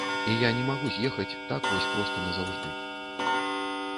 І я не магу з'ехаць так вось проста назаўжды.